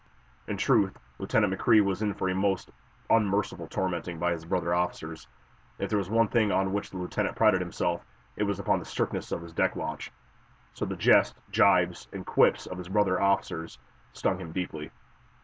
In truth, Lieutenant McCrea was in for a most unmerciful tormenting by his brother officers. If there was one thing on which the lieutenant prided himself, it was upon the strictness of his deck watch. So the jest, jibes and quips of his brother officers stung him deeply.